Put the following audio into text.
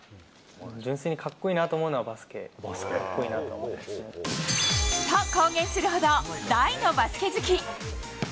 純粋にかっこいいなと思うのはバスケです。と公言するほど、大のバスケ好き。